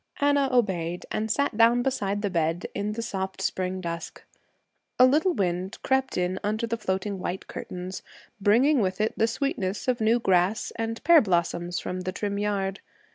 Anna obeyed and sat down beside the bed in the soft spring dusk. A little wind crept in under the floating white curtains, bringing with it the sweetness of new grass and pear blossoms from the trim yard.